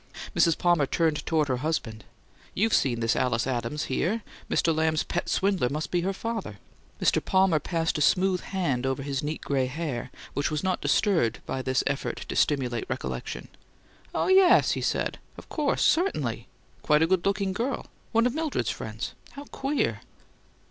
Mrs. Palmer turned toward her husband. "You've seen this Alice Adams here. Mr. Lamb's pet swindler must be her father." Mr. Palmer passed a smooth hand over his neat gray hair, which was not disturbed by this effort to stimulate recollection. "Oh, yes," he said. "Of course certainly. Quite a good looking girl one of Mildred's friends. How queer!"